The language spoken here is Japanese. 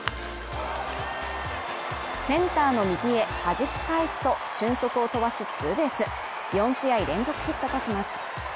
センターの右へ弾き返すと、俊足を飛ばしツーベース４試合連続ヒットします